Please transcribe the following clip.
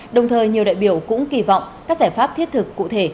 đồng thời nhiều đại biểu cũng kỳ vọng các giải pháp thiết thực cụ thể